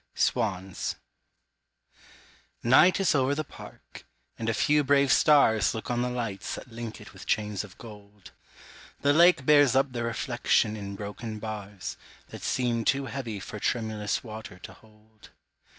SWANS NIGHT is over the park, and a few brave stars Look on the lights that link it with chains of gold, The lake bears up their reflection in broken bars That seem too heavy for tremulous water to hold.